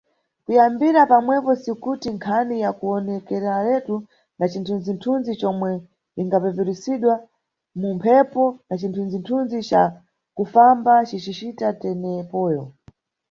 Kuyambira pamwepo sikuti nkhani yakuwonekeraletu na cithunzi-tunzi comwe ingapeperusidwa mu mphepo na cithunzi-thunzi ca kufamba cicita tenepoyo.